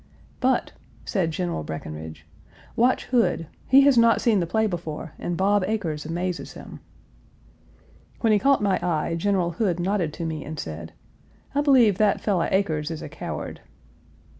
"But," said General Breckinridge, "watch Hood; he has not seen the play before and Bob Acres amazes him." When he caught my eye, General Hood nodded to me and said, "I believe that fellow Acres is a coward."